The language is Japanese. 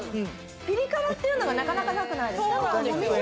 ピリ辛というのはなかなかなくないですか？